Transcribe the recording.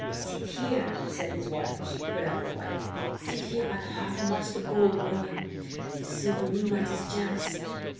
"Sit here," said his wife as she put out the light. "Sit here by the hearth and watch the gold growing. The silver moonlight is jealous!